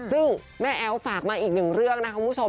ซึ่งแม่แอ๋วฝากมาอีกหนึ่งเรื่องนะครับคุณผู้ชม